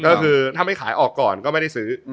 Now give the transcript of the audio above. ก็คือถ้าไม่ขายออกก่อนก็ไม่ได้ซื้อ